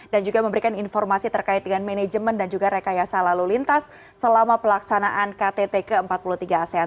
dan juga memberikan informasi terkait dengan manajemen dan juga rekayasa lalu lintas selama pelaksanaan ktt ke empat puluh tiga asean